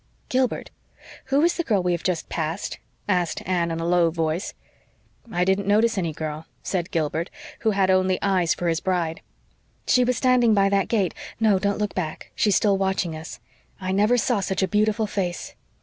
"Gilbert, who is the girl we have just passed?" asked Anne, in a low voice. "I didn't notice any girl," said Gilbert, who had eyes only for his bride. "She was standing by that gate no, don't look back. She is still watching us. I never saw such a beautiful face."